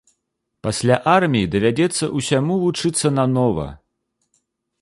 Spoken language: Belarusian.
Пасля арміі давядзецца ўсяму вучыцца нанова!